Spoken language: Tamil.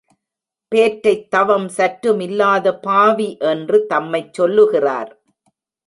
பேற்றைத் தவம் சற்று மில்லாத பாவி என்று தம்மைச் சொல்லுகிறார்.